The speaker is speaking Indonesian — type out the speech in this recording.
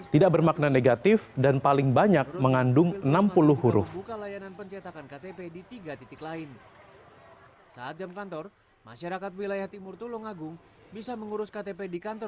tidak bermakna negatif dan paling banyak mengandung enam puluh huruf